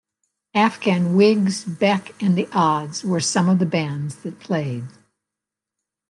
The Afghan Whigs, Beck, and the Odds were some of the bands that played.